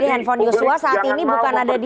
jadi handphone yosua saat ini bukan ada di